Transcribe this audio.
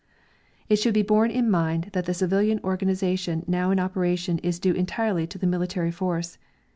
It should be borne in mind that the civilian organization now in operation is due entirely to the military force.